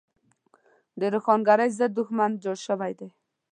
د روښانګرۍ ضد دښمن جوړ شوی دی.